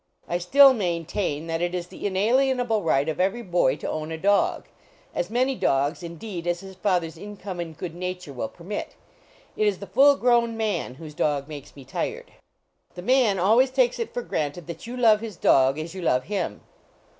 I still maintain that it is the inalienable right of every boy to own a dog ; as many dogs, indeed, as his father s income and good nature will permit. It is the full grown man whose dog makes me tired. The man always takes it for granted that you love his dog as you love him.